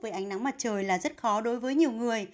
với ánh nắng mặt trời là rất khó đối với nhiều người